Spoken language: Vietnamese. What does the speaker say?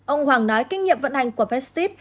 ông hoàng nói kinh nghiệm vận hành của festip